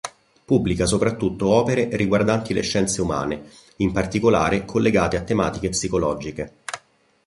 Pubblica soprattutto opere riguardanti le scienze umane, in particolare collegate a tematiche psicologiche.